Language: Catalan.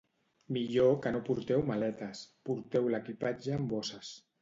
Millor que no porteu maletes, porteu l'equipatge en bosses